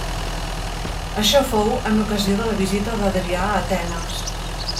Això fou en ocasió de la visita d'Adrià a Atenes.